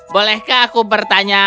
bolehkah aku bertanya